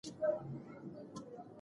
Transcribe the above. ټیکنالوژي زموږ ژوند بدلوي.